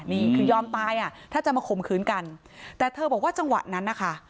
นี่คือยอมตายอ่ะถ้าจะมาข่มขืนกันแต่เธอบอกว่าจังหวะนั้นนะคะ